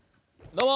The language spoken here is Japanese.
どうも。